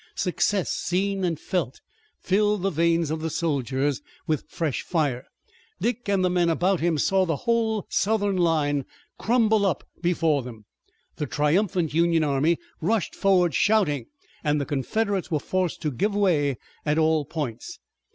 Success seen and felt filled the veins of the soldiers with fresh fire. Dick and the men about him saw the whole Southern line crumble up before them. The triumphant Union army rushed forward shouting, and the Confederates were forced to give way at all points.